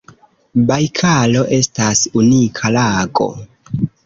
Bajkalo estas unika lago.